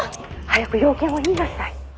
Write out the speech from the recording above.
☎早く用件を言いなさい。